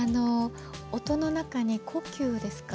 音の中に、胡弓ですか。